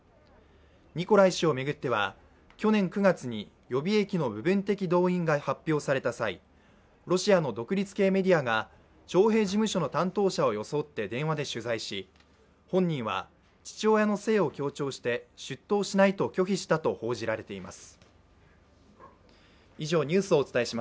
ニコライ氏を巡っては去年９月に予備役の部分的動員が発表された際ロシアの独立系メディアが徴兵事務所の担当者を装って電話で取材し、本人は父親の姓を強調して出頭しないと拒否したと報じられています。